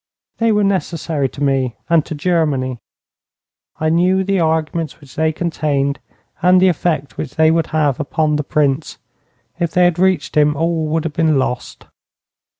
'They were necessary to me and to Germany. I knew the arguments which they contained and the effect which they would have upon the Prince. If they had reached him all would have been lost.'